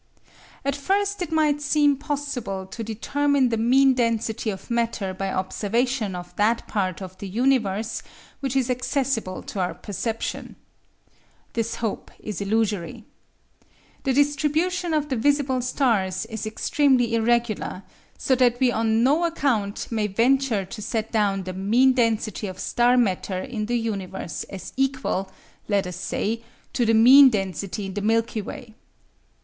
At first it might seem possible to determine the mean density of matter by observation of that part of the universe which is accessible to our perception. This hope is illusory. The distribution of the visible stars is extremely irregular, so that we on no account may venture to set down the mean density of star matter in the universe as equal, let us say, to the mean density in the Milky Way.